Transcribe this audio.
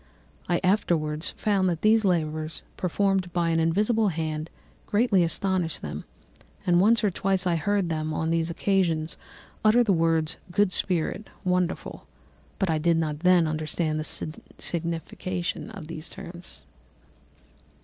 I afterwards found that these labours, performed by an invisible hand, greatly astonished them; and once or twice I heard them, on these occasions, utter the words good spirit, wonderful; but I did not then understand the signification of these terms.